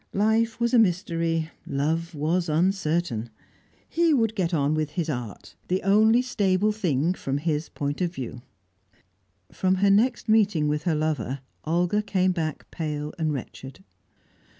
Life was a mystery; love was uncertain. He would get on with his art, the only stable thing from his point of view. From her next meeting with her lover, Olga came back pale and wretched.